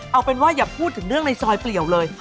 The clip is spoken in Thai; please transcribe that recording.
เอาเป็นว่าอย่าพูดถึงเรื่องในซอยเปลี่ยวเลย